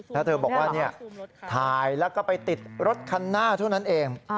แล้วเธอบอกว่าถ่ายแล้วก็ไปติดรถคันหน้าเท่านั้นเอง